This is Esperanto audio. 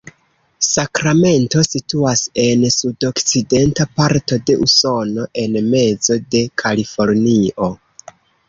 Sakramento situas en sudokcidenta parto de Usono, en mezo de Kalifornio.